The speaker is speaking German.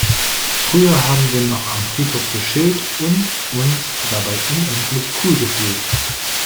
Früher haben wir noch am Friedhof gechillt und uns dabei unendlich cool gefühlt.